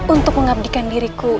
untuk mengabdikan diriku